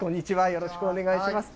よろしくお願いします。